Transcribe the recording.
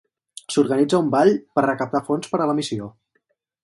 S’organitza un ball per recaptar fons per a la missió.